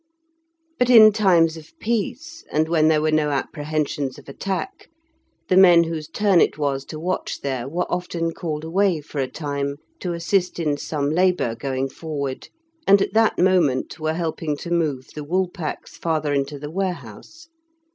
But in times of peace, and when there were no apprehensions of attack, the men whose turn it was to watch there were often called away for a time to assist in some labour going forward, and at that moment were helping to move the woolpacks farther into the warehouse.